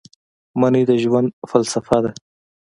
مني د ژوند فلسفه ده